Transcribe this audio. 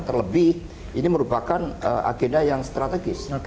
terlebih ini merupakan agenda yang strategis